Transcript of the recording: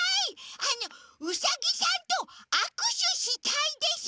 あのウサギさんとあくしゅしたいです！